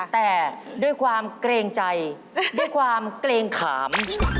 แต่ด้วยความเกรงใจด้วยความเกรงขาม